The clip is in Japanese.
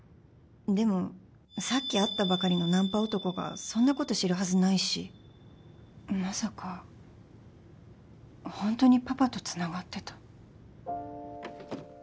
でもさっき会ったばかりのナンパ男がそんなこと知るはずないしまさかホントにパパとつながってた？